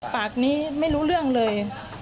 ปากนี้ไม่รู้เรื่องเลย